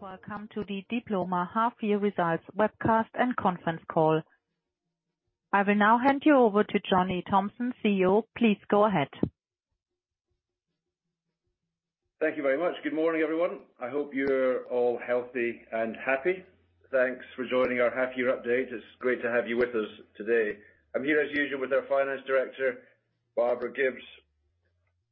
Good day and welcome to the Diploma Half Year Results webcast and conference call. I will now hand you over to Johnny Thomson, CEO. Please go ahead. Thank you very much. Good morning, everyone. I hope you're all healthy and happy. Thanks for joining our half year update. It's great to have you with us today. I'm here, as usual, with our Finance Director, Barbara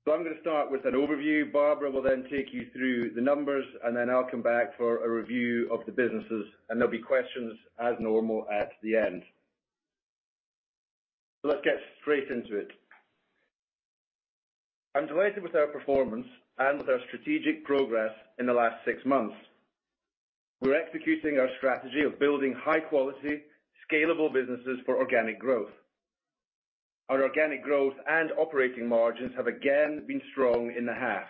Gibbes. I'm gonna start with an overview. Barbara will then take you through the numbers, and then I'll come back for a review of the businesses, and there'll be questions as normal at the end. Let's get straight into it. I'm delighted with our performance and with our strategic progress in the last six months. We're executing our strategy of building high quality, scalable businesses for organic growth. Our organic growth and operating margins have, again, been strong in the half,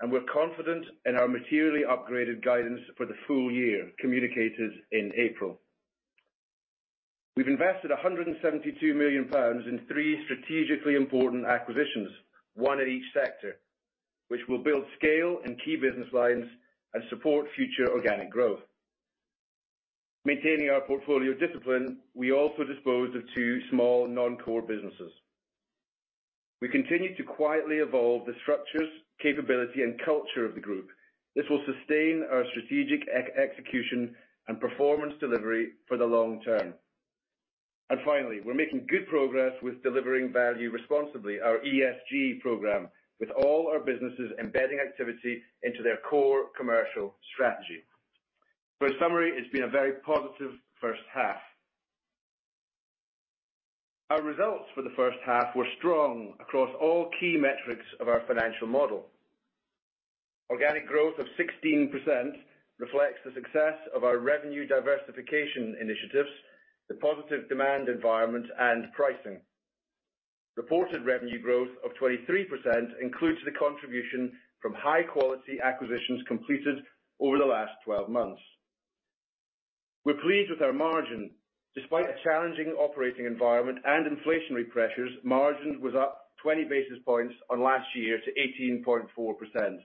and we're confident in our materially upgraded guidance for the full year communicated in April. We've invested 172 million pounds in three strategically important acquisitions, one at each sector, which will build scale in key business lines and support future organic growth. Maintaining our portfolio discipline, we also disposed of two small non-core businesses. We continue to quietly evolve the structures, capability, and culture of the group. This will sustain our strategic execution and performance delivery for the long term. Finally, we're making good progress with delivering value responsibly, our ESG program, with all our businesses embedding activity into their core commercial strategy. For a summary, it's been a very positive first half. Our results for the first half were strong across all key metrics of our financial model. Organic growth of 16% reflects the success of our revenue diversification initiatives, the positive demand environment, and pricing. Reported revenue growth of 23% includes the contribution from high-quality acquisitions completed over the last 12 months. We're pleased with our margin. Despite a challenging operating environment and inflationary pressures, margins was up 20 basis points on last year to 18.4%.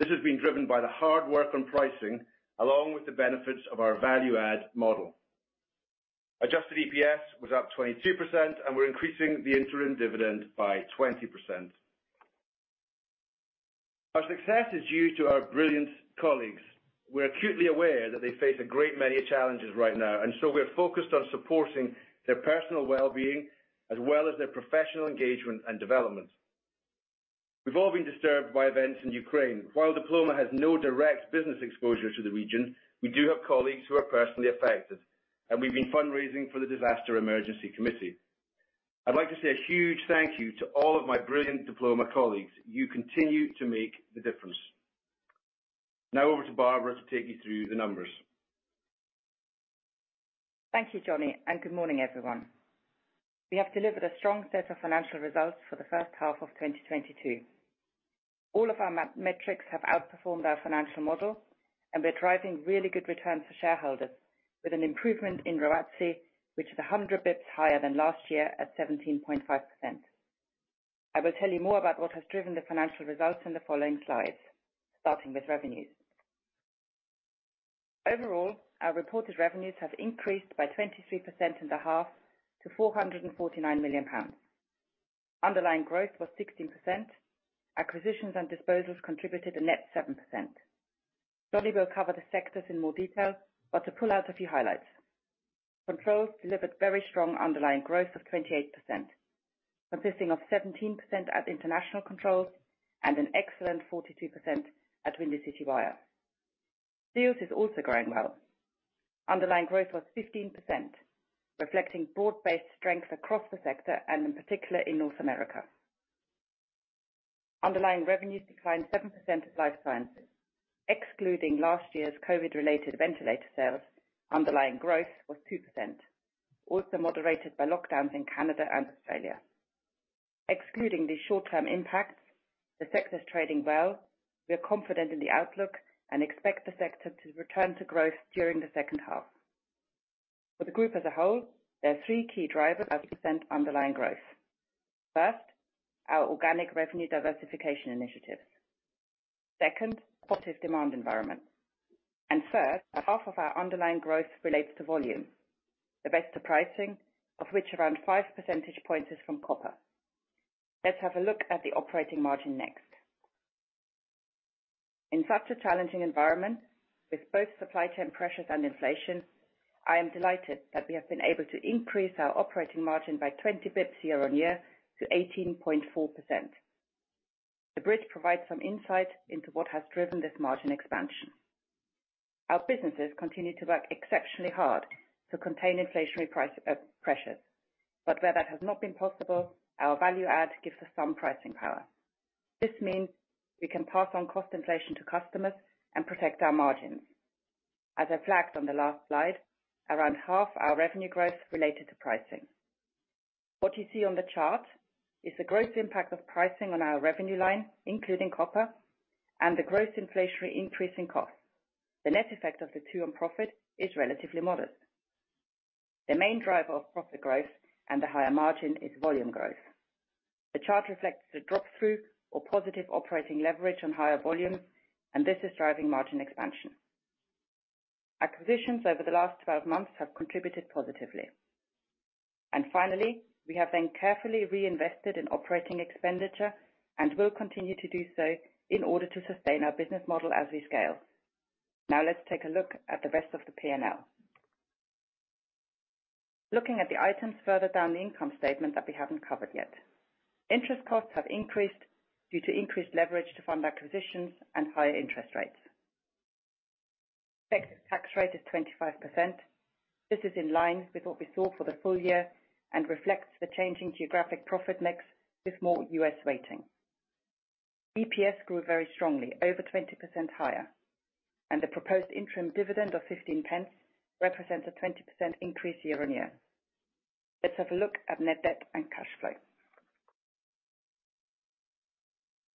This has been driven by the hard work on pricing, along with the benefits of our value add model. Adjusted EPS was up 22%, and we're increasing the interim dividend by 20%. Our success is due to our brilliant colleagues. We're acutely aware that they face a great many challenges right now, and so we're focused on supporting their personal well-being as well as their professional engagement and development. We've all been disturbed by events in Ukraine. While Diploma has no direct business exposure to the region, we do have colleagues who are personally affected, and we've been fundraising for the Disasters Emergency Committee. I'd like to say a huge thank you to all of my brilliant Diploma colleagues. You continue to make the difference. Now over to Barbara to take you through the numbers. Thank you, Johnny, and good morning, everyone. We have delivered a strong set of financial results for the first half of 2022. All of our metrics have outperformed our financial model, and we're driving really good returns for shareholders with an improvement in ROACE, which is 100 basis points higher than last year at 17.5%. I will tell you more about what has driven the financial results in the following slides, starting with revenues. Overall, our reported revenues have increased by 23% in the half to 449 million pounds. Underlying growth was 16%. Acquisitions and disposals contributed a net 7%. Johnny will cover the sectors in more detail, but to pull out a few highlights. Controls delivered very strong underlying growth of 28%, consisting of 17% at International Controls and an excellent 42% at Windy City Wire. Seals is also growing well. Underlying growth was 15%, reflecting broad-based strength across the sector and in particular in North America. Underlying revenues declined 7% at Life Sciences. Excluding last year's COVID-related ventilator sales, underlying growth was 2%. Also moderated by lockdowns in Canada and Australia. Excluding these short-term impacts, the sector is trading well. We are confident in the outlook and expect the sector to return to growth during the second half. For the group as a whole, there are three key drivers of percent underlying growth. First, our organic revenue diversification initiatives. Second, positive demand environment, and third, a half of our underlying growth relates to volume. The rest to pricing, of which around five percentage points is from copper. Let's have a look at the operating margin next. In such a challenging environment, with both supply chain pressures and inflation, I am delighted that we have been able to increase our operating margin by 20 basis points year-on-year to 18.4%. The bridge provides some insight into what has driven this margin expansion. Our businesses continue to work exceptionally hard to contain inflationary price pressures. Where that has not been possible, our value add gives us some pricing power. This means we can pass on cost inflation to customers and protect our margins. As I flagged on the last slide, around half our revenue growth related to pricing. What you see on the chart is the growth impact of pricing on our revenue line, including copper, and the gross inflationary increase in cost. The net effect of the two on profit is relatively modest. The main driver of profit growth and the higher margin is volume growth. The chart reflects the drop-through or positive operating leverage on higher volumes, and this is driving margin expansion. Acquisitions over the last 12 months have contributed positively. Finally, we have then carefully reinvested in operating expenditure and will continue to do so in order to sustain our business model as we scale. Now let's take a look at the rest of the P&L. Looking at the items further down the income statement that we haven't covered yet. Interest costs have increased due to increased leverage to fund acquisitions and higher interest rates. Expected tax rate is 25%. This is in line with what we saw for the full year and reflects the changing geographic profit mix with more U.S. weighting. EPS grew very strongly, over 20% higher, and the proposed interim dividend of 0.15 represents a 20% increase year-on-year. Let's have a look at net debt and cash flow.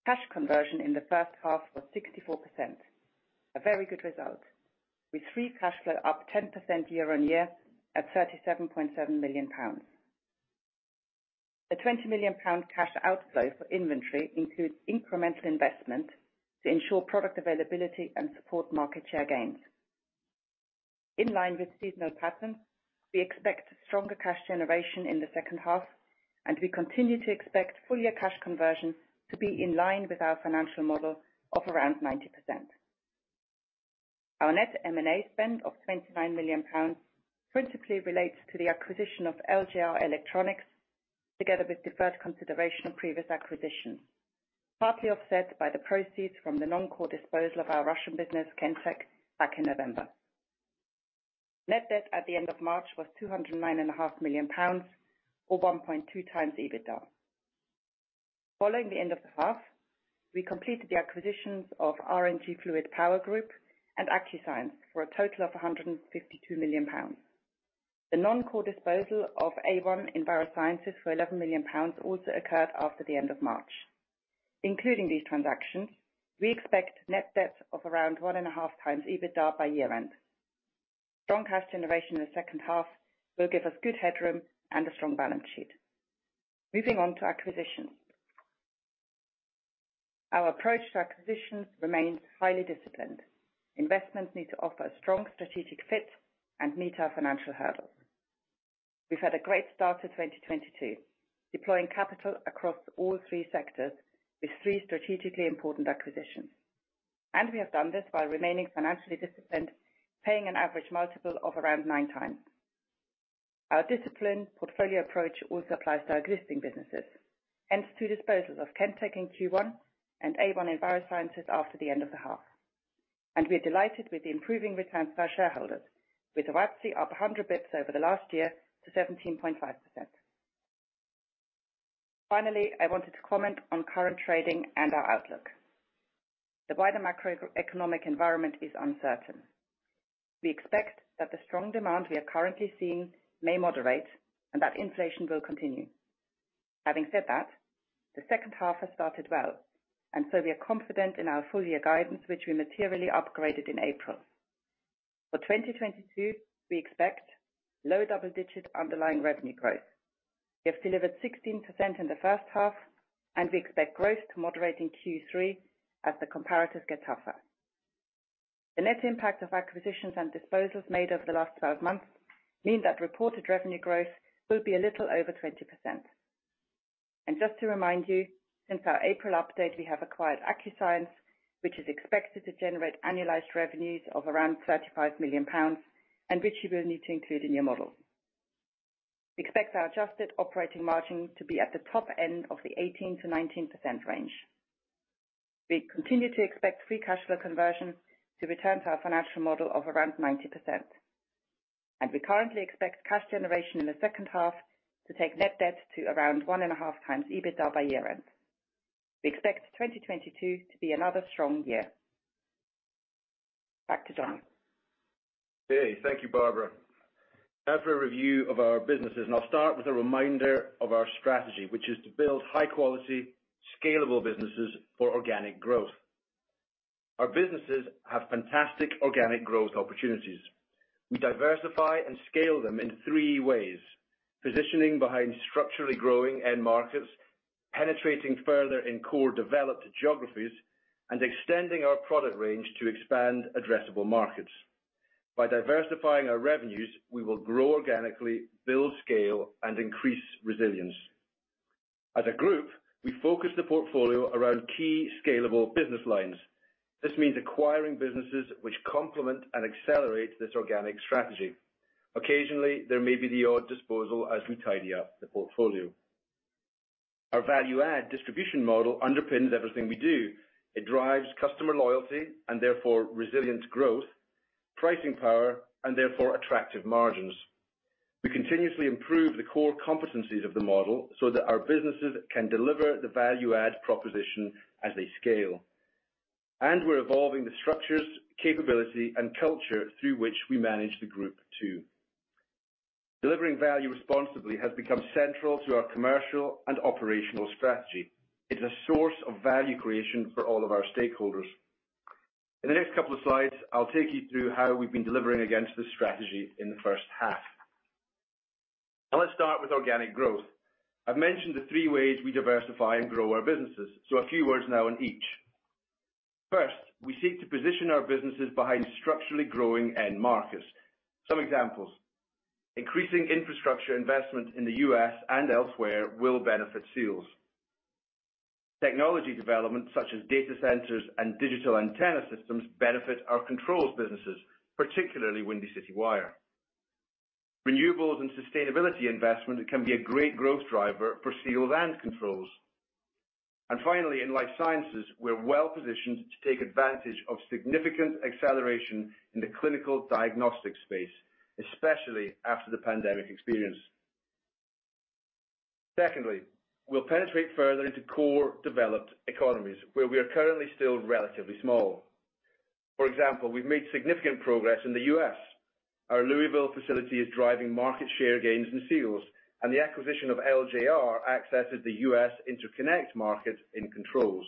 Cash conversion in the first half was 64%. A very good result, with free cash flow up 10% year-on-year at 37.7 million pounds. The 20 million pound cash outflow for inventory includes incremental investment to ensure product availability and support market share gains. In line with seasonal patterns, we expect stronger cash generation in the second half, and we continue to expect full-year cash conversion to be in line with our financial model of around 90%. Our net M&A spend of 29 million pounds principally relates to the acquisition of LJR Electronics, together with deferred consideration of previous acquisitions, partly offset by the proceeds from the non-core disposal of our Russian business, Kentek, back in November. Net debt at the end of March was 209.5 million pounds, or 1.2x EBITDA. Following the end of the half, we completed the acquisitions of R&G Fluid Power Group and Accuscience for a total of 152 million pounds. The non-core disposal of a1-envirosciences for 11 million pounds also occurred after the end of March. Including these transactions, we expect net debt of around 1.5x EBITDA by year-end. Strong cash generation in the second half will give us good headroom and a strong balance sheet. Moving on to acquisitions. Our approach to acquisitions remains highly disciplined. Investments need to offer a strong strategic fit and meet our financial hurdle. We've had a great start to 2022, deploying capital across all three sectors with three strategically important acquisitions. We have done this while remaining financially disciplined, paying an average multiple of around 9x. Our disciplined portfolio approach also applies to our existing businesses, hence two disposals of Kentek in Q1 and a1-envirosciences after the end of the half. We are delighted with the improving returns to our shareholders, with ROACE up 100 basis points over the last year to 17.5%. Finally, I wanted to comment on current trading and our outlook. The wider macroeconomic environment is uncertain. We expect that the strong demand we are currently seeing may moderate and that inflation will continue. Having said that, the second half has started well, and so we are confident in our full year guidance, which we materially upgraded in April. For 2022, we expect low double-digit underlying revenue growth. We have delivered 16% in the first half, and we expect growth to moderate in Q3 as the comparatives get tougher. The net impact of acquisitions and disposals made over the last 12 months mean that reported revenue growth will be a little over 20%. Just to remind you, since our April update, we have acquired Accuscience, which is expected to generate annualized revenues of around 35 million pounds and which you will need to include in your model. We expect our adjusted operating margin to be at the top end of the 18%-19% range. We continue to expect free cash flow conversion to return to our financial model of around 90%. We currently expect cash generation in the second half to take net debt to around 1.5x EBITDA by year-end. We expect 2022 to be another strong year. Back to Johnny Thomson. Okay. Thank you, Barbara. Now for a review of our businesses, and I'll start with a reminder of our strategy, which is to build high quality, scalable businesses for organic growth. Our businesses have fantastic organic growth opportunities. We diversify and scale them in three ways, positioning behind structurally growing end markets, penetrating further in core developed geographies, and extending our product range to expand addressable markets. By diversifying our revenues, we will grow organically, build scale, and increase resilience. As a group, we focus the portfolio around key scalable business lines. This means acquiring businesses which complement and accelerate this organic strategy. Occasionally, there may be the odd disposal as we tidy up the portfolio. Our value add distribution model underpins everything we do. It drives customer loyalty and therefore resilient growth, pricing power, and therefore attractive margins. We continuously improve the core competencies of the model so that our businesses can deliver the value add proposition as they scale. We're evolving the structures, capability, and culture through which we manage the group too. Delivering Value Responsibly has become central to our commercial and operational strategy. It's a source of value creation for all of our stakeholders. In the next couple of slides, I'll take you through how we've been delivering against this strategy in the first half. Now let's start with organic growth. I've mentioned the three ways we diversify and grow our businesses, so a few words now on each. First, we seek to position our businesses behind structurally growing end markets. Some examples, increasing infrastructure investment in the U.S., and elsewhere will benefit Seals. Technology development, such as data centers and distributed antenna systems, benefit our Controls businesses, particularly Windy City Wire. Renewables and sustainability investment can be a great growth driver for Seals and Controls. Finally, in Life Sciences, we're well-positioned to take advantage of significant acceleration in the clinical diagnostics space, especially after the pandemic experience. Secondly, we'll penetrate further into core developed economies where we are currently still relatively small. For example, we've made significant progress in the U.S. Our Louisville facility is driving market share gains in Seals, and the acquisition of LJR accesses the U.S interconnect market in Controls.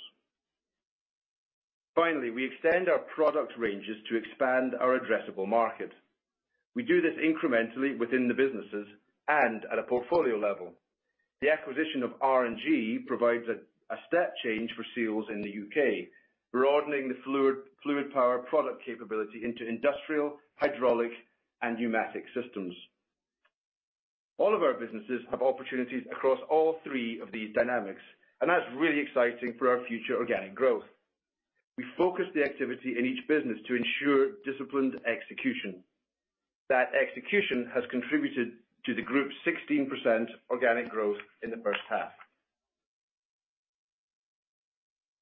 Finally, we extend our product ranges to expand our addressable market. We do this incrementally within the businesses and at a portfolio level. The acquisition of R&G provides a step change for Seals in the U.K., broadening the fluid power product capability into industrial, hydraulic, and pneumatic systems. All of our businesses have opportunities across all three of these dynamics, and that's really exciting for our future organic growth. We focus the activity in each business to ensure disciplined execution. That execution has contributed to the group's 16% organic growth in the first half.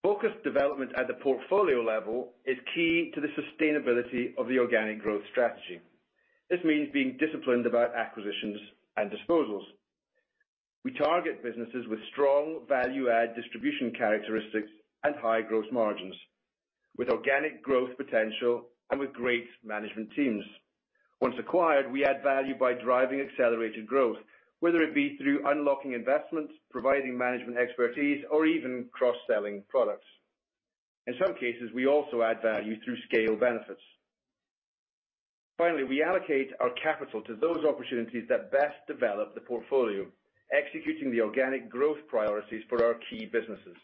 Focused development at the portfolio level is key to the sustainability of the organic growth strategy. This means being disciplined about acquisitions and disposals. We target businesses with strong value-add distribution characteristics and high growth margins, with organic growth potential and with great management teams. Once acquired, we add value by driving accelerated growth, whether it be through unlocking investments, providing management expertise, or even cross-selling products. In some cases, we also add value through scale benefits. Finally, we allocate our capital to those opportunities that best develop the portfolio, executing the organic growth priorities for our key businesses.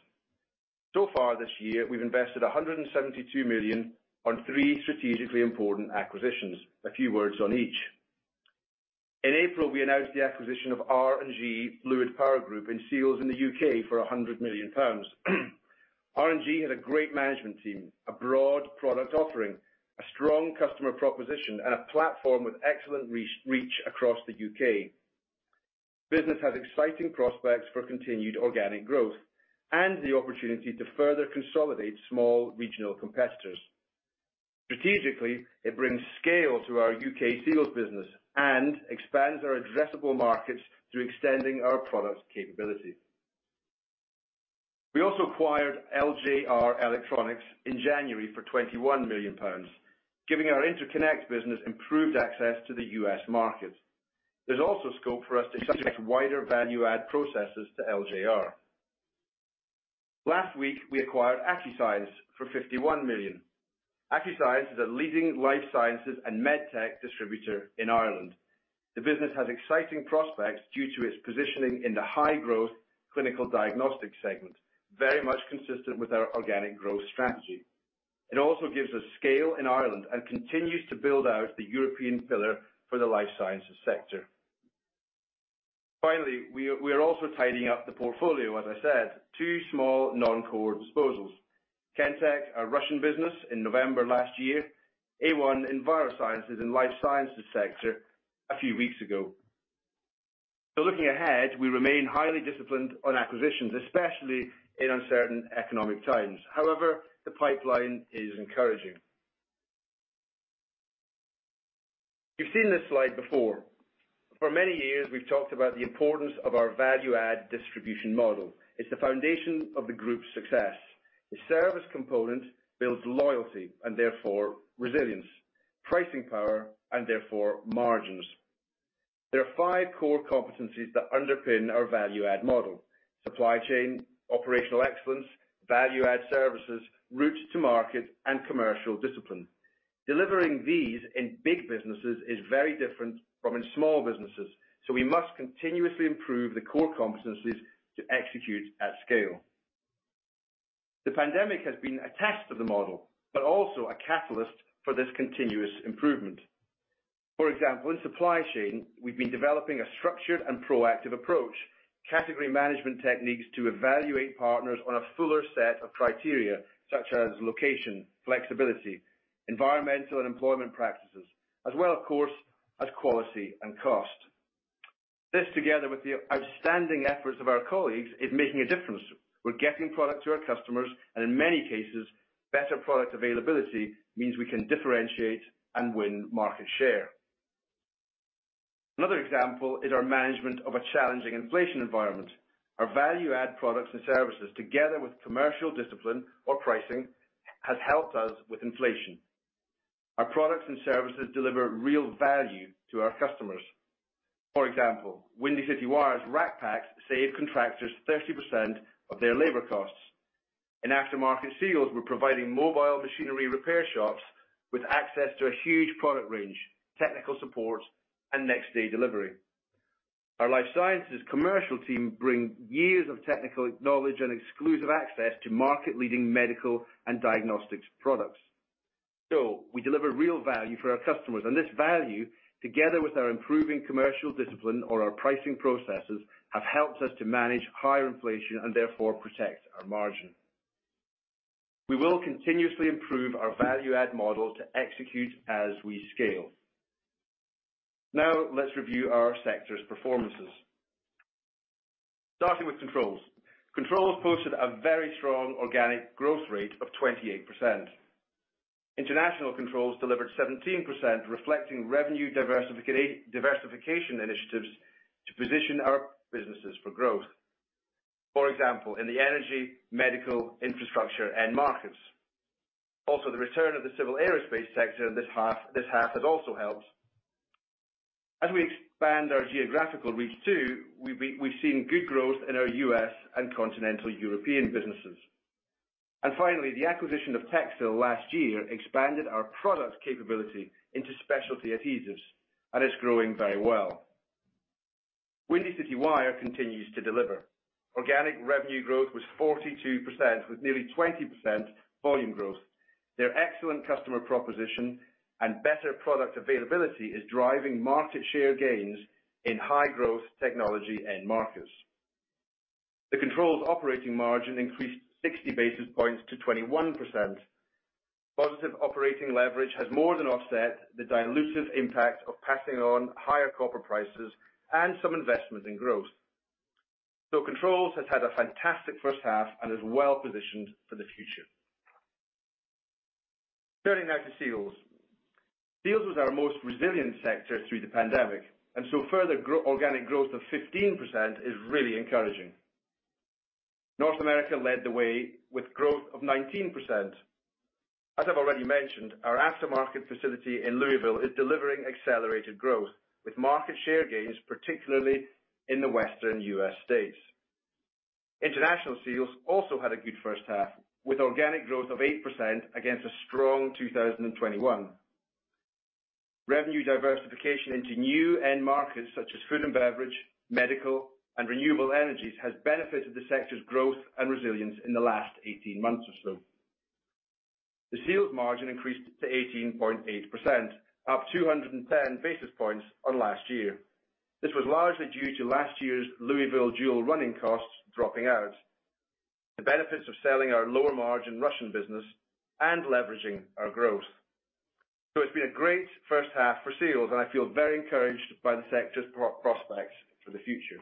Far this year, we've invested 172 million on three strategically important acquisitions. A few words on each. In April, we announced the acquisition of R&G Fluid Power Group in Seals in the U.K. for 100 million pounds. R&G had a great management team, a broad product offering, a strong customer proposition, and a platform with excellent reach across the U.K. Business has exciting prospects for continued organic growth and the opportunity to further consolidate small regional competitors. Strategically, it brings scale to our U.K. Seals business and expands our addressable markets through extending our products capability. We also acquired LJR Electronics in January for 21 million pounds, giving our Interconnect business improved access to the U.S. market. There's also scope for us to subject wider value-add processes to LJR. Last week, we acquired Accuscience for 51 million. Accuscience is a leading life sciences and med tech distributor in Ireland. The business has exciting prospects due to its positioning in the high-growth clinical diagnostics segment, very much consistent with our organic growth strategy. It also gives us scale in Ireland and continues to build out the European pillar for the life sciences sector. Finally, we are also tidying up the portfolio, as I said, two small non-core disposals. Kentek, our Russian business, in November last year, a1-envirosciences in life sciences sector a few weeks ago. Looking ahead, we remain highly disciplined on acquisitions, especially in uncertain economic times. However, the pipeline is encouraging. You've seen this slide before. For many years, we've talked about the importance of our value-add distribution model. It's the foundation of the group's success. The service component builds loyalty and therefore resilience, pricing power, and therefore margins. There are five core competencies that underpin our value-add model, supply chain, operational excellence, value-add services, routes to market, and commercial discipline. Delivering these in big businesses is very different from in small businesses, so we must continuously improve the core competencies to execute at scale. The pandemic has been a test to the model, but also a catalyst for this continuous improvement. For example, in supply chain, we've been developing a structured and proactive approach, category management techniques to evaluate partners on a fuller set of criteria such as location, flexibility, environmental and employment practices, as well, of course, as quality and cost. This, together with the outstanding efforts of our colleagues, is making a difference. We're getting product to our customers, and in many cases, better product availability means we can differentiate and win market share. Another example is our management of a challenging inflation environment. Our value-add products and services, together with commercial discipline or pricing, has helped us with inflation. Our products and services deliver real value to our customers. For example, Windy City Wire's RackPack save contractors 30% of their labor costs. In Aftermarket Seals, we're providing mobile machinery repair shops with access to a huge product range, technical support, and next-day delivery. Our Life Sciences commercial team bring years of technical knowledge and exclusive access to market-leading medical and diagnostics products. We deliver real value for our customers, and this value, together with our improving commercial discipline or our pricing processes, have helped us to manage higher inflation and therefore protect our margin. We will continuously improve our value add model to execute as we scale. Now let's review our sectors performances. Starting with Controls. Controls posted a very strong organic growth rate of 28%. International Controls delivered 17%, reflecting revenue diversification initiatives to position our businesses for growth. For example, in the energy, medical, infrastructure end markets. Also, the return of the civil aerospace sector this half has also helped. As we expand our geographical reach too, we've seen good growth in our U.S., and continental European businesses. Finally, the acquisition of Techsil last year expanded our products capability into specialty adhesives, and it's growing very well. Windy City Wire continues to deliver. Organic revenue growth was 42% with nearly 20% volume growth. Their excellent customer proposition and better product availability is driving market share gains in high-growth technology end markets. The Controls operating margin increased 60 basis points to 21%. Positive operating leverage has more than offset the dilutive impact of passing on higher copper prices and some investment in growth. Controls has had a fantastic first half and is well positioned for the future. Turning now to Seals. Seals was our most resilient sector through the pandemic, and so organic growth of 15% is really encouraging. North America led the way with growth of 19%. As I've already mentioned, our aftermarket facility in Louisville is delivering accelerated growth with market share gains, particularly in the Western U.S. states. International Seals also had a good first half, with organic growth of 8% against a strong 2021. Revenue diversification into new end markets such as food and beverage, medical, and renewable energies has benefited the sector's growth and resilience in the last 18 months or so. The Seals margin increased to 18.8%, up 210 basis points on last year. This was largely due to last year's lower fuel and running costs dropping out. The benefits of selling our lower margin Russian business and leveraging our growth. It's been a great first half for Seals, and I feel very encouraged by the sector's prospects for the future.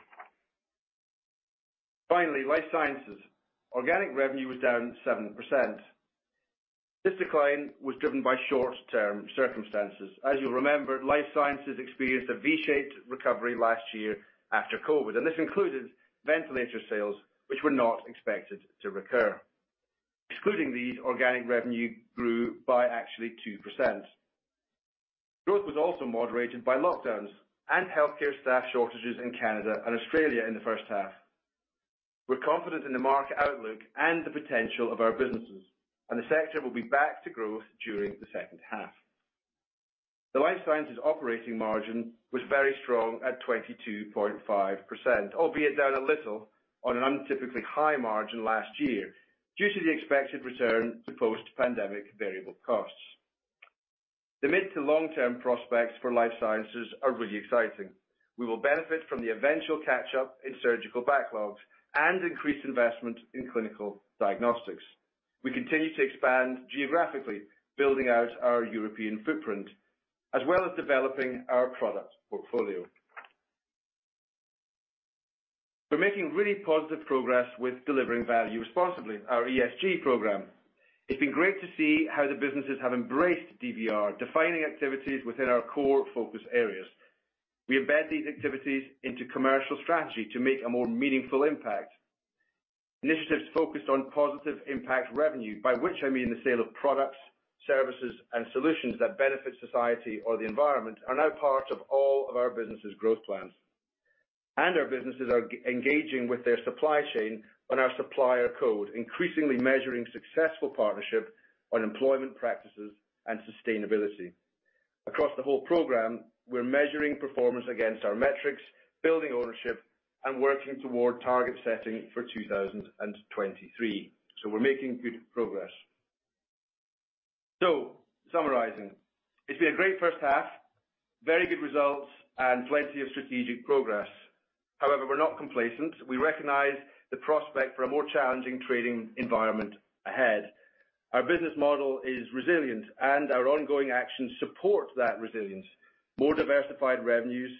Finally, Life Sciences. Organic revenue was down 7%. This decline was driven by short-term circumstances. As you'll remember, Life Sciences experienced a V-shaped recovery last year after COVID, and this included ventilator sales, which were not expected to recur. Excluding these, organic revenue grew by actually 2%. Growth was also moderated by lockdowns and healthcare staff shortages in Canada and Australia in the first half. We're confident in the market outlook and the potential of our businesses, and the sector will be back to growth during the second half. The Life Sciences operating margin was very strong at 22.5%, albeit down a little on an untypically high margin last year due to the expected return to post-pandemic variable costs. The mid to long-term prospects for Life Sciences are really exciting. We will benefit from the eventual catch up in surgical backlogs and increased investment in clinical diagnostics. We continue to expand geographically, building out our European footprint, as well as developing our product portfolio. We're making really positive progress with delivering value responsibly, our ESG program. It's been great to see how the businesses have embraced DVR, defining activities within our core focus areas. We embed these activities into commercial strategy to make a more meaningful impact. Initiatives focused on positive impact revenue, by which I mean the sale of products, services, and solutions that benefit society or the environment, are now part of all of our businesses' growth plans. Our businesses are engaging with their supply chain on our supplier code, increasingly measuring successful partnership on employment practices and sustainability. Across the whole program, we're measuring performance against our metrics, building ownership, and working toward target setting for 2023. We're making good progress. Summarizing, it's been a great first half, very good results and plenty of strategic progress. However, we're not complacent. We recognize the prospect for a more challenging trading environment ahead. Our business model is resilient and our ongoing actions support that resilience. More diversified revenues,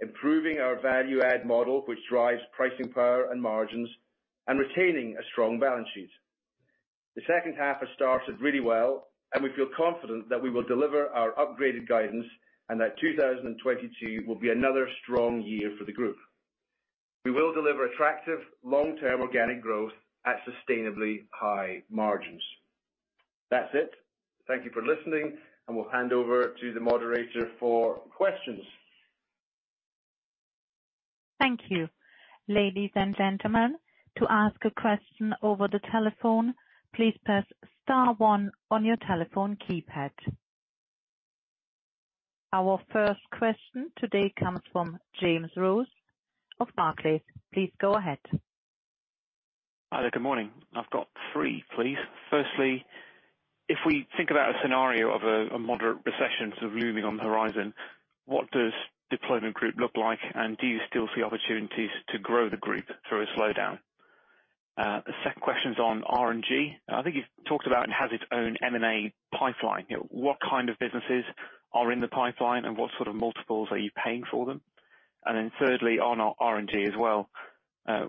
improving our value add model, which drives pricing power and margins, and retaining a strong balance sheet. The second half has started really well, and we feel confident that we will deliver our upgraded guidance and that 2022 will be another strong year for the group. We will deliver attractive long-term organic growth at sustainably high margins. That's it. Thank you for listening, and we'll hand over to the moderator for questions. Thank you. Ladies and gentlemen, to ask a question over the telephone, please press star one on your telephone keypad. Our first question today comes from James Rose of Barclays. Please go ahead. Hi there. Good morning. I've got three, please. Firstly, if we think about a scenario of a moderate recession sort of looming on the horizon, what does Diploma Group look like, and do you still see opportunities to grow the group through a slowdown? The second question is on R&G. I think you've talked about it has its own M&A pipeline. You know, what kind of businesses are in the pipeline, and what sort of multiples are you paying for them? Then thirdly, on R&G as well,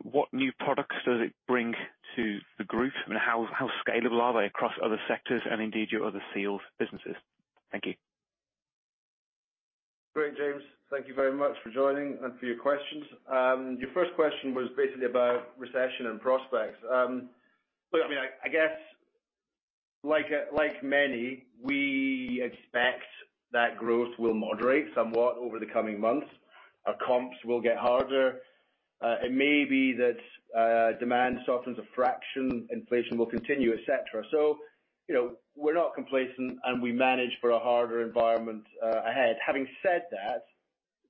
what new products does it bring to the group and how scalable are they across other sectors and indeed your other seals businesses? Thank you. Great, James. Thank you very much for joining and for your questions. Your first question was basically about recession and prospects. Look, I mean, I guess like many, we expect that growth will moderate somewhat over the coming months. Our comps will get harder. It may be that demand softens a fraction, inflation will continue, et cetera. You know, we're not complacent, and we manage for a harder environment ahead. Having said that,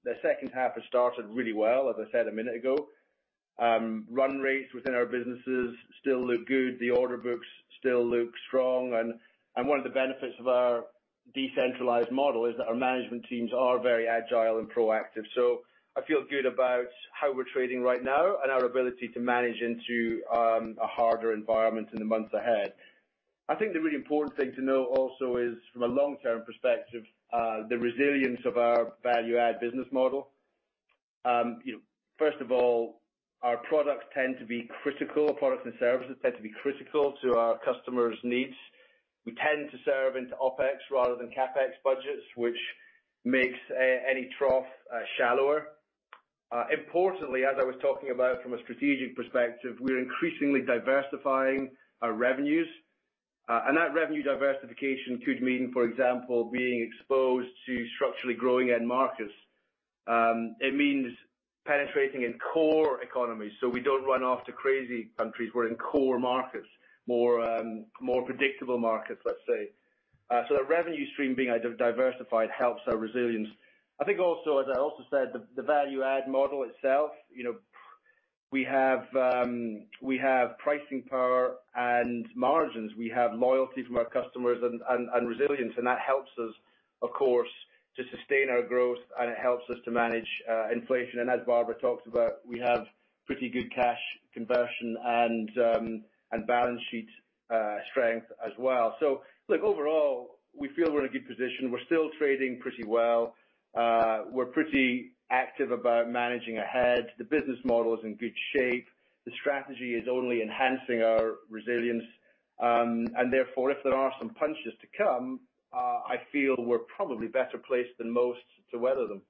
the second half has started really well, as I said a minute ago. Run rates within our businesses still look good. The order books still look strong. One of the benefits of our decentralized model is that our management teams are very agile and proactive. I feel good about how we're trading right now and our ability to manage into a harder environment in the months ahead. I think the really important thing to know also is from a long-term perspective the resilience of our value add business model. You know, first of all, our products and services tend to be critical to our customers' needs. We tend to serve into OpEx rather than CapEx budgets, which makes any trough shallower. Importantly, as I was talking about from a strategic perspective, we're increasingly diversifying our revenues. That revenue diversification could mean, for example, being exposed to structurally growing end markets. It means penetrating in core economies, so we don't run off to crazy countries. We're in core markets, more predictable markets, let's say. The revenue stream being diversified helps our resilience. I think also, as I also said, the value add model itself, you know, we have pricing power and margins. We have loyalty from our customers and resilience, and that helps us, of course, to sustain our growth, and it helps us to manage inflation. As Barbara talked about, we have pretty good cash conversion and balance sheet strength as well. Look, overall, we feel we're in a good position. We're still trading pretty well. We're pretty active about managing ahead. The business model is in good shape. The strategy is only enhancing our resilience. Therefore, if there are some punches to come, I feel we're probably better placed than most to weather them.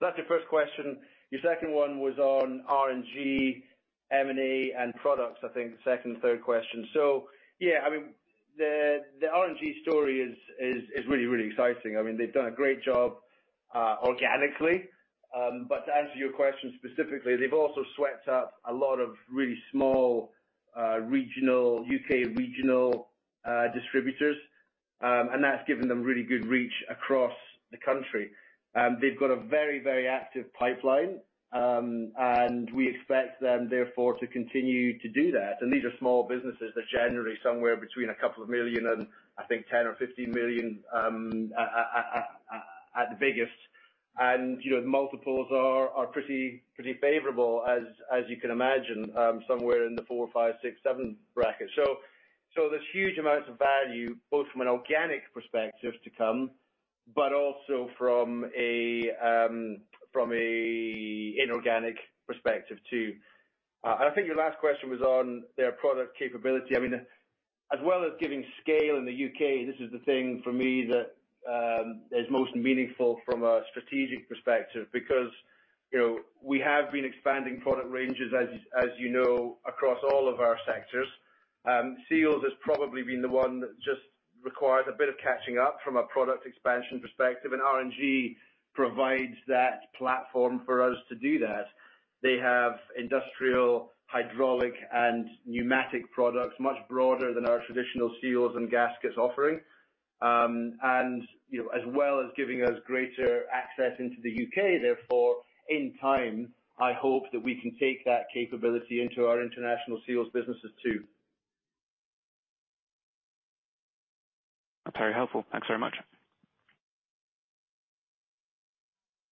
That's your first question. Your second one was on R&G, M&A, and products, I think the second and third question. Yeah, I mean, the R&G story is really exciting. I mean, they've done a great job organically, but to answer your question specifically, they've also swept up a lot of really small regional U.K. distributors, and that's given them really good reach across the country. They've got a very active pipeline, and we expect them therefore to continue to do that. These are small businesses. They're generally somewhere between 2 million and I think 10 or 15 million at the biggest. You know, the multiples are pretty favorable, as you can imagine, somewhere in the four, five, six, seven bracket. There's huge amounts of value, both from an organic perspective to come, but also from an inorganic perspective too. I think your last question was on their product capability. I mean, as well as giving scale in the U.K., this is the thing for me that is most meaningful from a strategic perspective because, you know, we have been expanding product ranges, as you know, across all of our sectors. Seals has probably been the one that just requires a bit of catching up from a product expansion perspective, and R&G provides that platform for us to do that. They have industrial, hydraulic, and pneumatic products, much broader than our traditional seals and gaskets offering. You know, as well as giving us greater access into the U.K., therefore, in time, I hope that we can take that capability into our international Seals businesses too. That's very helpful. Thanks very much.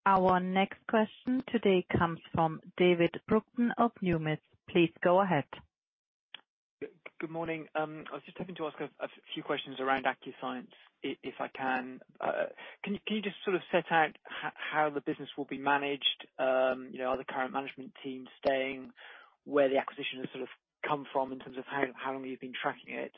Our next question today comes from David Brockton of Numis. Please go ahead. Good morning. I was just hoping to ask a few questions around Accuscience, if I can. Can you just sort of set out how the business will be managed? You know, are the current management team staying? Where the acquisition has sort of come from in terms of how long you've been tracking it,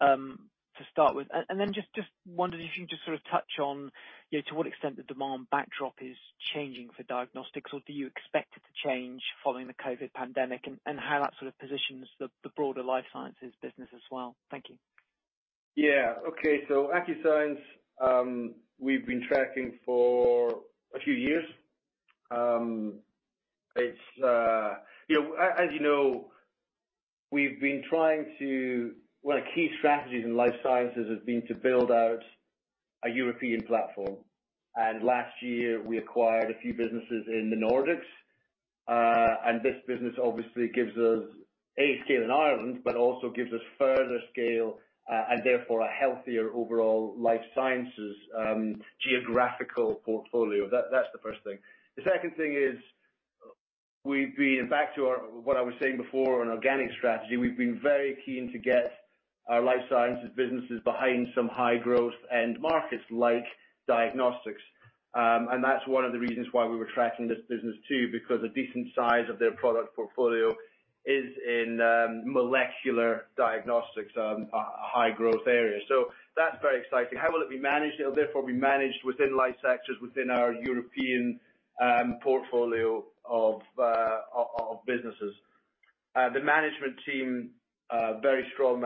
to start with. Then just wondered if you can just sort of touch on, you know, to what extent the demand backdrop is changing for diagnostics or do you expect it to change following the COVID pandemic and how that sort of positions the broader Life Sciences business as well. Thank you. Yeah. Okay. Accuscience, we've been tracking for a few years. It's. You know, as you know, we've been trying to One of the key strategies in Life Sciences has been to build out a European platform. Last year we acquired a few businesses in the Nordics. This business obviously gives us, A, scale in Ireland, but also gives us further scale, and therefore a healthier overall Life Sciences geographical portfolio. That's the first thing. The second thing is we've been back to our what I was saying before on organic strategy. We've been very keen to get our Life Sciences businesses behind some high growth end markets like diagnostics. That's one of the reasons why we were tracking this business too, because a decent size of their product portfolio is in molecular diagnostics, a high growth area. That's very exciting. How will it be managed? It'll therefore be managed within Life Sciences within our European portfolio of businesses. The management team, very strong,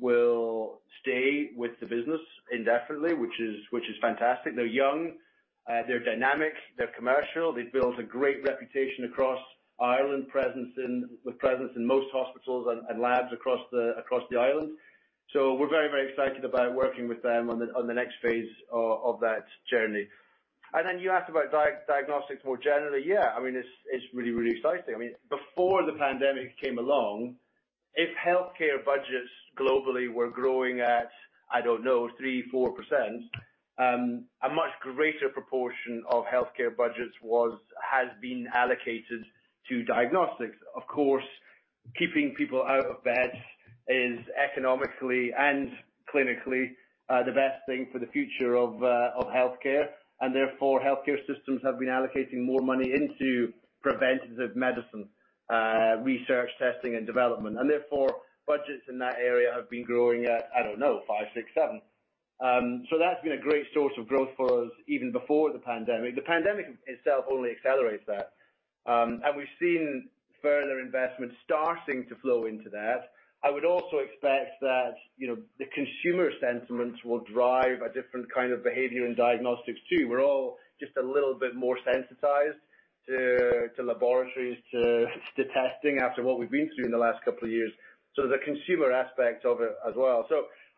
will stay with the business indefinitely, which is fantastic. They're young, they're dynamic, they're commercial. They've built a great reputation across Ireland with presence in most hospitals and labs across the island. We're very excited about working with them on the next phase of that journey. Then you asked about diagnostics more generally. Yeah. I mean, it's really exciting. I mean, before the pandemic came along, if healthcare budgets globally were growing at, I don't know, 3%-4%, a much greater proportion of healthcare budgets has been allocated to diagnostics. Of course, keeping people out of bed is economically and clinically the best thing for the future of healthcare, and therefore healthcare systems have been allocating more money into preventive medicine, research, testing, and development, and therefore budgets in that area have been growing at, I don't know, 5%, 6%, 7%. That's been a great source of growth for us even before the pandemic. The pandemic itself only accelerates that. We've seen further investment starting to flow into that. I would also expect that, you know, the consumer sentiments will drive a different kind of behavior in diagnostics too. We're all just a little bit more sensitized to laboratories, to testing after what we've been through in the last couple of years. The consumer aspect of it as well.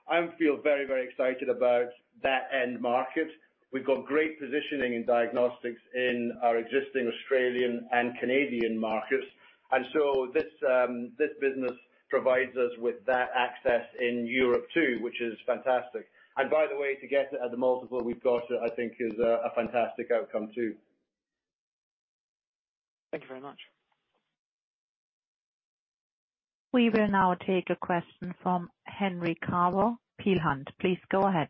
I feel very, very excited about that end market. We've got great positioning in diagnostics in our existing Australian and Canadian markets. This business provides us with that access in Europe too, which is fantastic. By the way, to get it at the multiple we've got, I think is a fantastic outcome too. Thank you very much. We will now take a question from Henry Carver, Peel Hunt. Please go ahead.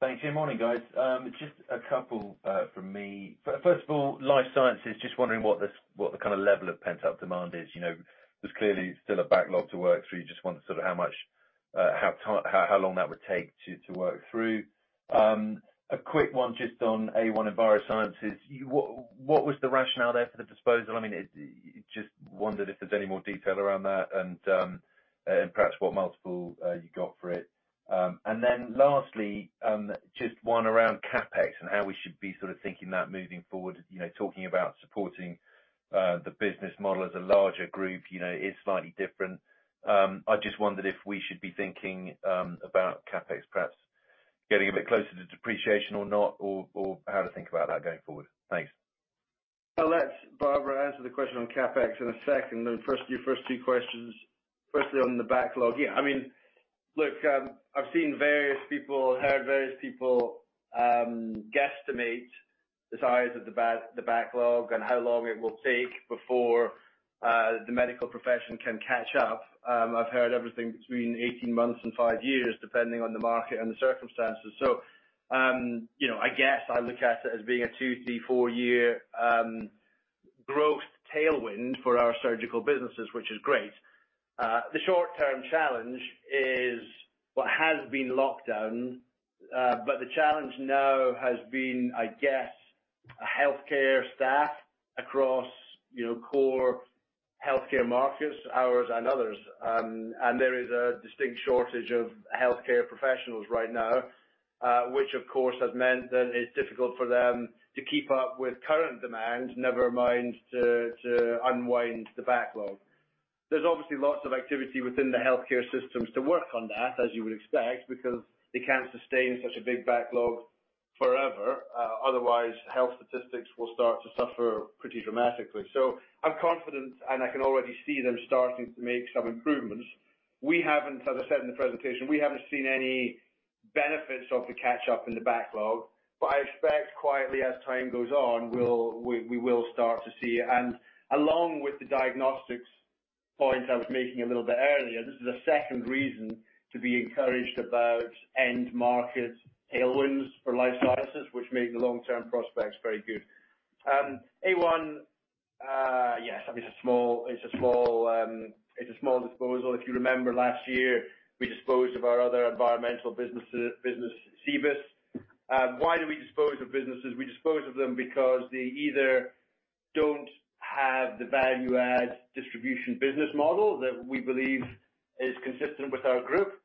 Thanks. Good morning, guys. Just a couple from me. First of all, Life Sciences, just wondering what the kind of level of pent-up demand is. You know, there's clearly still a backlog to work through. Just wonder sort of how much, how long that would take to work through. A quick one just on a1-envirosciences. What was the rationale there for the disposal? I mean, just wondered if there's any more detail around that and perhaps what multiple you got for it, and then lastly, just one around CapEx and how we should be sort of thinking that moving forward, you know, talking about supporting the business model as a larger group, you know, is slightly different. I just wondered if we should be thinking about CapEx perhaps getting a bit closer to depreciation or not, or how to think about that going forward. Thanks. I'll let Barbara answer the question on CapEx in a sec. First, your first two questions. Firstly, on the backlog. Yeah. I mean, look, I've seen various people, heard various people, guesstimate the size of the backlog and how long it will take before the medical profession can catch up. I've heard everything between 18 months and five years, depending on the market and the circumstances. You know, I guess I look at it as being a two, three, four-year growth tailwind for our surgical businesses, which is great. The short term challenge is what has been lockdown, but the challenge now has been, I guess, healthcare staff across, you know, core healthcare markets, ours and others. There is a distinct shortage of healthcare professionals right now, which of course has meant that it's difficult for them to keep up with current demand, never mind to unwind the backlog. There's obviously lots of activity within the healthcare systems to work on that, as you would expect, because they can't sustain such a big backlog forever. Otherwise, health statistics will start to suffer pretty dramatically. I'm confident, and I can already see them starting to make some improvements. We haven't, as I said in the presentation, we haven't seen any benefits of the catch up in the backlog. I expect quietly as time goes on, we will start to see it. Along with the diagnostics point I was making a little bit earlier, this is the second reason to be encouraged about end market tailwinds for Life Sciences, which make the long-term prospects very good, a1, I mean, it's a small disposal. If you remember last year, we disposed of our other environmental business, CBISS. Why do we dispose of businesses? We dispose of them because they either don't have the value-add distribution business model that we believe is consistent with our group,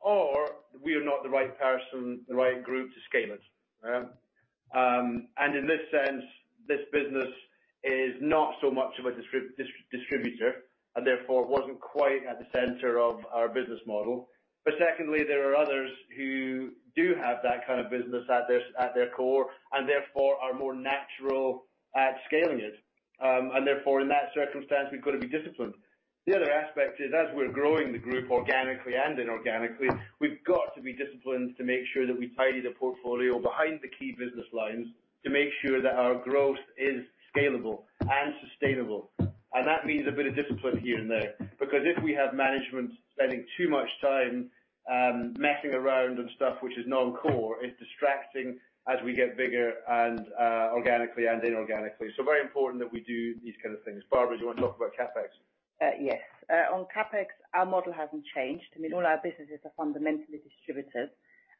or we are not the right group to scale it. In this sense, this business is not so much of a distributor and therefore wasn't quite at the center of our business model. Secondly, there are others who do have that kind of business at their core, and therefore are more natural at scaling it. Therefore, in that circumstance, we've got to be disciplined. The other aspect is, as we're growing the group organically and inorganically, we've got to be disciplined to make sure that we tidy the portfolio behind the key business lines to make sure that our growth is scalable and sustainable. That means a bit of discipline here and there. Because if we have management spending too much time, messing around on stuff which is non-core, it's distracting as we get bigger and organically and inorganically. Very important that we do these kind of things. Barbara, do you want to talk about CapEx? Yes. On CapEx, our model hasn't changed. I mean, all our businesses are fundamentally distributive,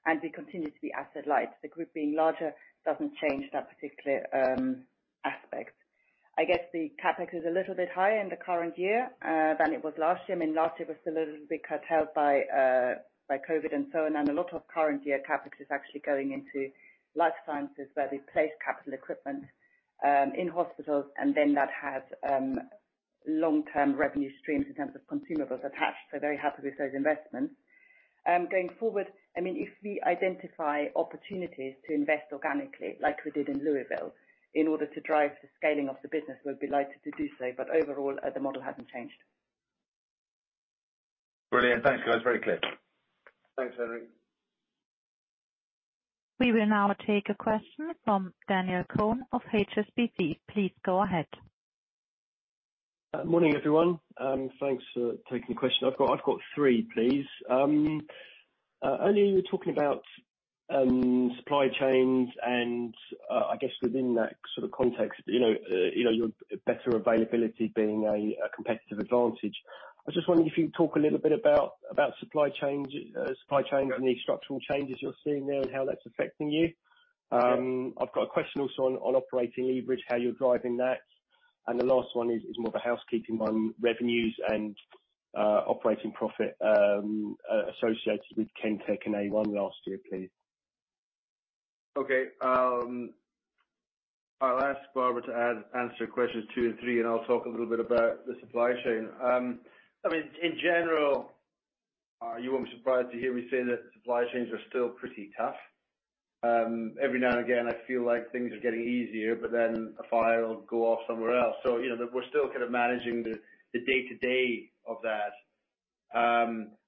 and we continue to be asset light. The group being larger doesn't change that particular aspect. I guess the CapEx is a little bit higher in the current year than it was last year. I mean, last year was still a little bit curtailed by COVID and so on. A lot of current year CapEx is actually going into Life Sciences, where we place capital equipment in hospitals, and then that has long-term revenue streams in terms of consumables attached, so very happy with those investments. Going forward, I mean, if we identify opportunities to invest organically, like we did in Louisville, in order to drive the scaling of the business, we'll be likely to do so. Overall, the model hasn't changed. Brilliant. Thanks, guys. Very clear. Thanks, Henry. We will now take a question from Daniel Cowan of HSBC. Please go ahead. Morning, everyone. Thanks for taking the question. I've got three, please. Johnny, you were talking about supply chains and I guess within that sort of context, you know, your better availability being a competitive advantage. I was just wondering if you could talk a little bit about supply chains and the structural changes you're seeing there and how that's affecting you. I've got a question also on operating leverage, how you're driving that. The last one is more of a housekeeping on revenues and operating profit associated with Kentek and a1-envirosciences last year, please. Okay. I'll ask Barbara to answer questions two and three, and I'll talk a little bit about the supply chain. I mean, in general, you won't be surprised to hear me say that supply chains are still pretty tough. Every now and again, I feel like things are getting easier, but then a fire will go off somewhere else. You know, we're still kind of managing the day-to-day of that.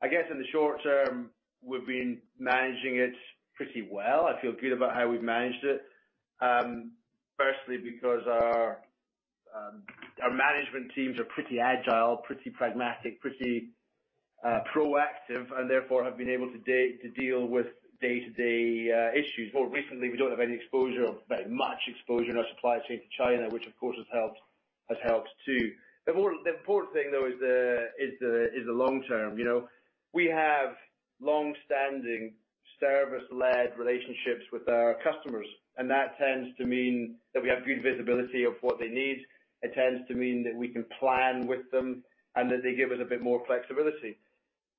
I guess in the short term, we've been managing it pretty well. I feel good about how we've managed it. Firstly, because our management teams are pretty agile, pretty pragmatic, pretty proactive, and therefore have been able to deal with day-to-day issues. More recently, we don't have any exposure or very much exposure in our supply chain to China, which of course has helped too. The important thing, though, is the long term. You know, we have long-standing service-led relationships with our customers, and that tends to mean that we have good visibility of what they need. It tends to mean that we can plan with them and that they give us a bit more flexibility.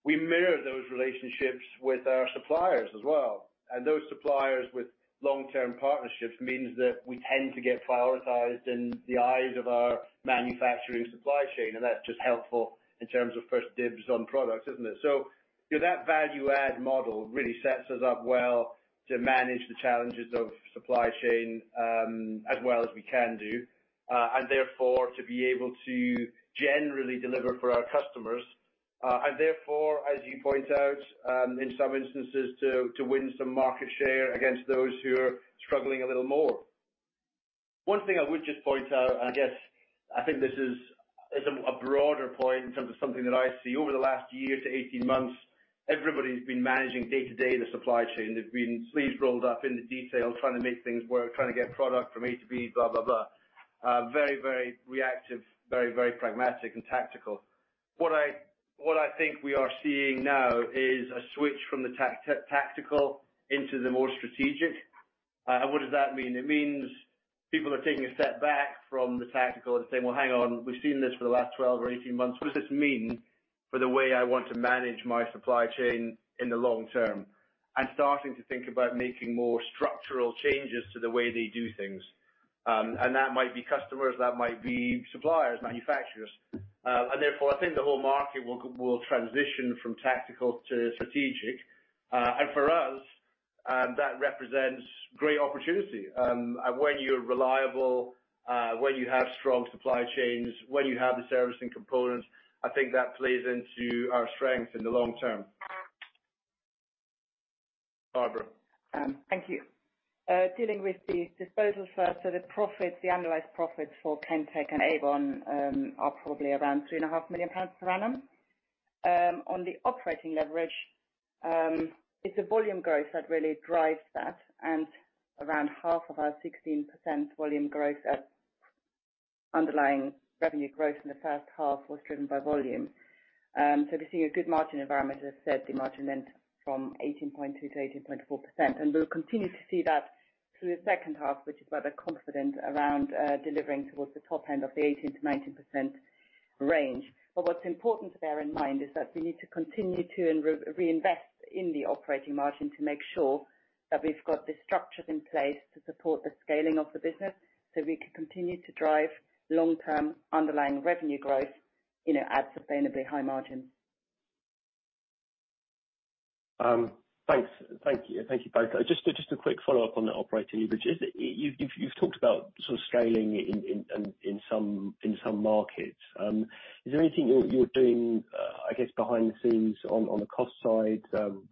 We mirror those relationships with our suppliers as well. Those suppliers with long-term partnerships means that we tend to get prioritized in the eyes of our manufacturing supply chain, and that's just helpful in terms of first dibs on products, isn't it? You know, that value-add model really sets us up well to manage the challenges of supply chain as well as we can do. Therefore, to be able to generally deliver for our customers, and therefore, as you point out, in some instances, to win some market share against those who are struggling a little more. One thing I would just point out, and I guess, I think this is a broader point in terms of something that I see. Over the last year to 18 months, everybody's been managing day-to-day the supply chain. They've been sleeves rolled up in the detail, trying to make things work, trying to get product from A to B, blah, blah. Very, very reactive, very, very pragmatic and tactical. What I think we are seeing now is a switch from the tactical into the more strategic. What does that mean? It means people are taking a step back from the tactical and saying, "Well, hang on. We've seen this for the last 12 or 18 months. What does this mean for the way I want to manage my supply chain in the long term?" Starting to think about making more structural changes to the way they do things. That might be customers, that might be suppliers, manufacturers. Therefore, I think the whole market will transition from tactical to strategic. For us, that represents great opportunity. When you're reliable, when you have strong supply chains, when you have the servicing components, I think that plays into our strength in the long term. Barbara. Thank you. Dealing with the disposal first, the profit, the annualized profit for Kentek and a1 are probably around 3.5 million pounds per annum. On the operating leverage, it's the volume growth that really drives that, and around half of our 16% underlying revenue growth in the first half was driven by volume. We're seeing a good margin environment. As I said, the margin went from 18.2%-18.4%. We'll continue to see that through the second half, which is why we're confident around delivering towards the top end of the 18%-19% range. What's important to bear in mind is that we need to continue to reinvest in the operating margin to make sure that we've got the structures in place to support the scaling of the business, so we can continue to drive long-term underlying revenue growth at sustainably high margins. Thanks. Thank you. Thank you both. Just a quick follow-up on the operating leverage. You've talked about sort of scaling in some markets. Is there anything you're doing, I guess, behind the scenes on the cost side?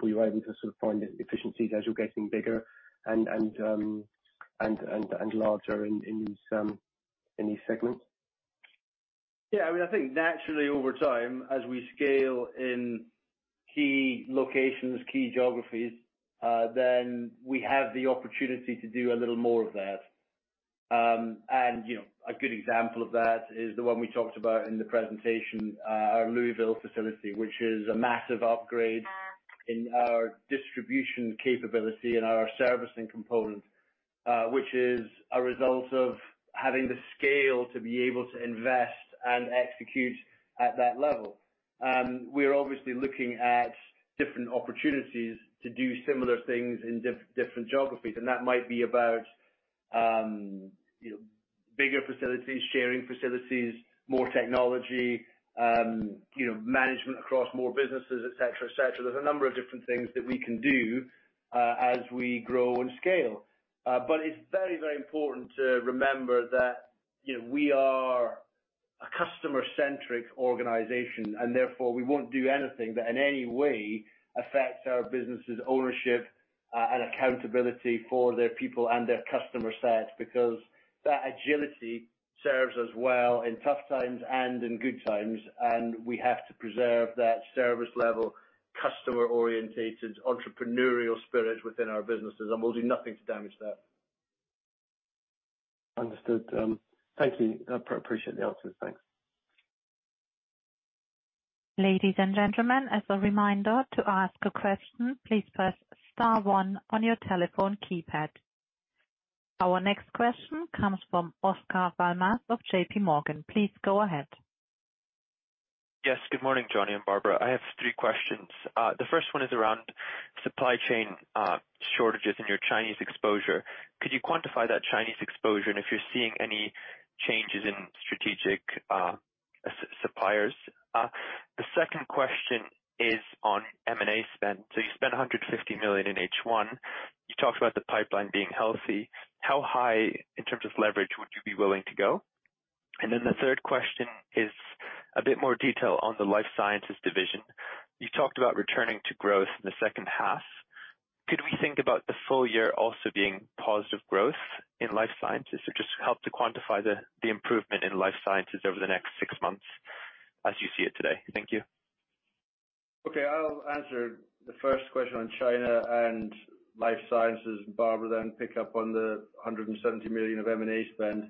Were you able to sort of find efficiencies as you're getting bigger and larger in these segments? Yeah. I mean, I think naturally over time, as we scale in key locations, key geographies, then we have the opportunity to do a little more of that. You know, a good example of that is the one we talked about in the presentation, our Louisville facility, which is a massive upgrade in our distribution capability and our servicing component, which is a result of having the scale to be able to invest and execute at that level. We're obviously looking at different opportunities to do similar things in different geographies, and that might be about, you know, bigger facilities, sharing facilities, more technology, you know, management across more businesses, et cetera, et cetera. There's a number of different things that we can do, as we grow and scale. It's very, very important to remember that, you know, we are a customer-centric organization, and therefore, we won't do anything that in any way affects our business' ownership and accountability for their people and their customer set, because that agility serves us well in tough times and in good times, and we have to preserve that service level, customer-oriented, entrepreneurial spirit within our businesses, and we'll do nothing to damage that. Understood. Thank you. I appreciate the answers. Thanks. Ladies and gentlemen, as a reminder, to ask a question, please press star one on your telephone keypad. Our next question comes from Oscar Val Mas of JPMorgan. Please go ahead. Yes. Good morning, Johnny and Barbara. I have three questions. The first one is around supply chain shortages in your Chinese exposure. Could you quantify that Chinese exposure and if you're seeing any changes in strategic suppliers? The second question is on M&A spend. You spent 150 million in H1. You talked about the pipeline being healthy. How high in terms of leverage would you be willing to go? The third question is a bit more detail on the Life Sciences division. You talked about returning to growth in the second half. Could we think about the full year also being positive growth in Life Sciences? Just help to quantify the improvement in Life Sciences over the next six months as you see it today. Thank you. Okay. I'll answer the first question on China and Life Sciences. Barbara Gibbes, then pick up on the 170 million of M&A spend.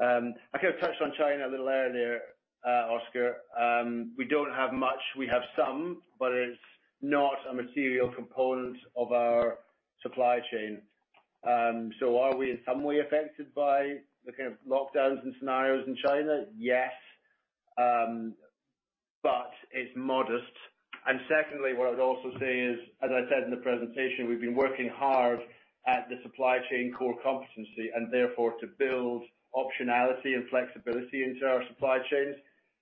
I kind of touched on China a little earlier, Oscar Val Mas. We don't have much. We have some, but it's not a material component of our supply chain. So are we in some way affected by the kind of lockdowns and scenarios in China? Yes. It's modest. Secondly, what I'd also say is, as I said in the presentation, we've been working hard at the supply chain core competency and therefore to build optionality and flexibility into our supply chains,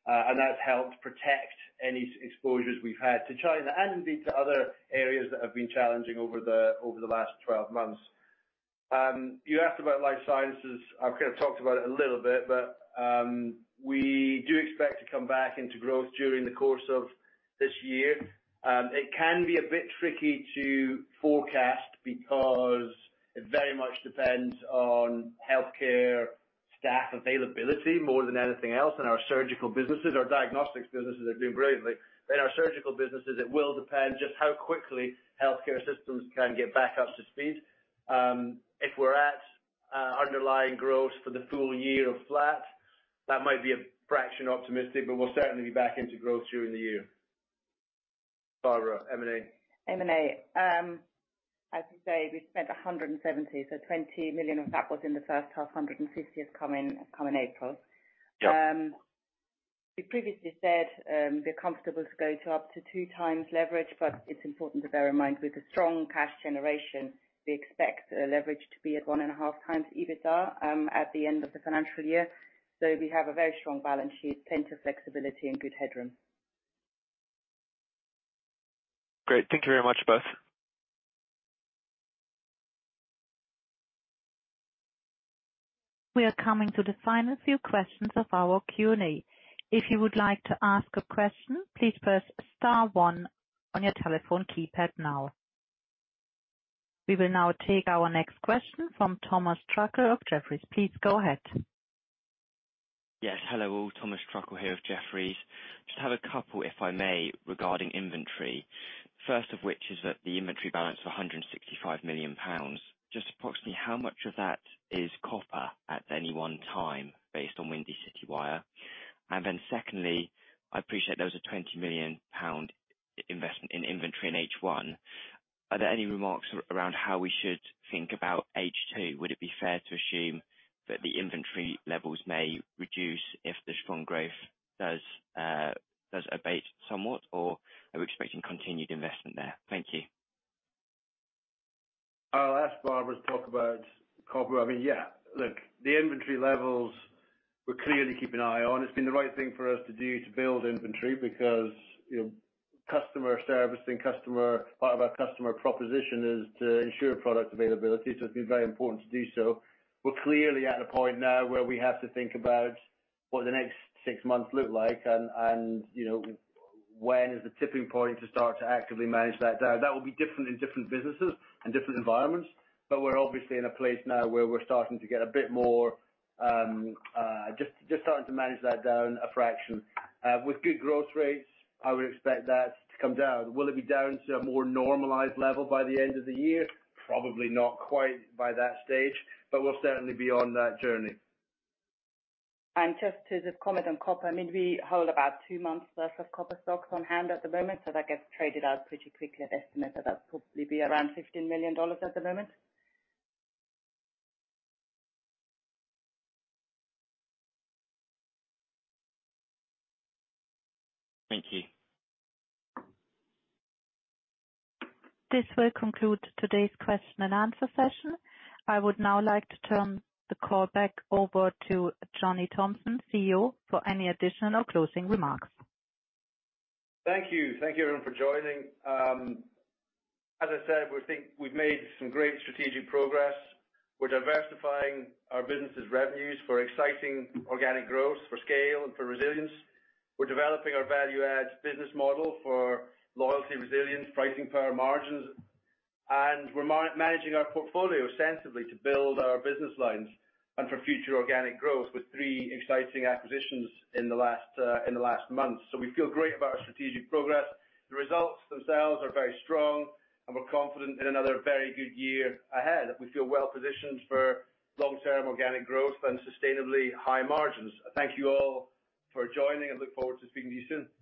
and that's helped protect any exposures we've had to China and indeed to other areas that have been challenging over the last 12 months. You asked about Life Sciences. I've kind of talked about it a little bit, but we do expect to come back into growth during the course of this year. It can be a bit tricky to forecast because it very much depends on healthcare staff availability more than anything else. In our surgical businesses, our diagnostics businesses are doing brilliantly. In our surgical businesses, it will depend just how quickly healthcare systems can get back up to speed. If we're at underlying growth for the full year of flat, that might be a fraction optimistic, but we'll certainly be back into growth during the year. Barbara, M&A. M&A. As you say, we spent 170 million, so 20 million of that was in the first half, 150 million is coming April. Yeah. We previously said, we're comfortable to go to up to 2x leverage, but it's important to bear in mind with the strong cash generation, we expect the leverage to be at 1.5x EBITDA, at the end of the financial year. We have a very strong balance sheet, plenty of flexibility and good headroom. Great. Thank you very much, both. We are coming to the final few questions of our Q&A. If you would like to ask a question, please press star one on your telephone keypad now. We will now take our next question from Thomas Truckle of Jefferies. Please go ahead. Yes. Hello all. Thomas Truckle here of Jefferies. I just have a couple, if I may, regarding inventory. First of which is that the inventory balance of 165 million pounds, just approximately how much of that is copper at any one time based on Windy City Wire? Secondly, I appreciate those are 20 million pound investment in inventory in H1. Are there any remarks around how we should think about H2? Would it be fair to assume that the inventory levels may reduce if the strong growth does abate somewhat? Or are we expecting continued investment there? Thank you. I'll ask Barbara to talk about copper. I mean, yeah, look, the inventory levels we clearly keep an eye on. It's been the right thing for us to do to build inventory because, you know, customer service and part of our customer proposition is to ensure product availability. So it's been very important to do so. We're clearly at a point now where we have to think about what the next six months look like and, you know, when is the tipping point to start to actively manage that down. That will be different in different businesses and different environments, but we're obviously in a place now where we're starting to get a bit more, just starting to manage that down a fraction. With good growth rates, I would expect that to come down. Will it be down to a more normalized level by the end of the year? Probably not quite by that stage, but we'll certainly be on that journey. Just to comment on copper, I mean, we hold about two months worth of copper stocks on-hand at the moment, so that gets traded out pretty quickly. I'd estimate that that's probably be around $15 million at the moment. Thank you. This will conclude today's question and answer session. I would now like to turn the call back over to Johnny Thomson, CEO, for any additional closing remarks. Thank you. Thank you everyone for joining. As I said, we think we've made some great strategic progress. We're diversifying our business' revenues for exciting organic growth, for scale, and for resilience. We're developing our value add business model for loyalty, resilience, pricing power margins. We're man-managing our portfolio sensibly to build our business lines and for future organic growth with three exciting acquisitions in the last month. We feel great about our strategic progress. The results themselves are very strong, and we're confident in another very good year ahead. We feel well positioned for long-term organic growth and sustainably high margins. Thank you all for joining, and look forward to speaking to you soon.